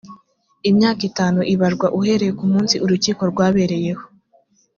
imyaka itanu ibarwa uhereye ku munsi urukiko rwabereyeho